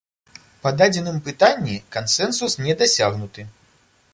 Па дадзеным пытанні кансэнсус не дасягнуты.